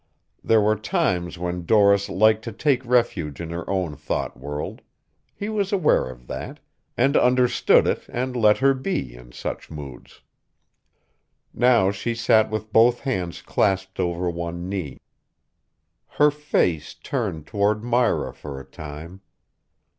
There were times when Doris liked to take refuge in her own thought world. He was aware of that, and understood it and let her be, in such moods. Now she sat with both hands clasped over one knee. Her face turned toward Myra for a time.